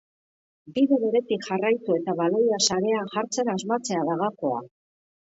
Bide beretik jarraitu eta baloia sarean jartzen asmatzea da gakoa.